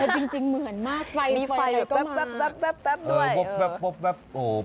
จริงเหมือนมากไฟอะไรก็มามีไฟแป๊บด้วย